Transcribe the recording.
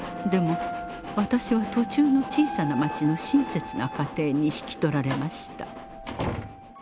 でも私は途中の小さな街の親切な家庭に引き取られました。